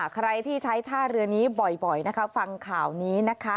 ใครที่ใช้ท่าเรือนี้บ่อยนะคะฟังข่าวนี้นะคะ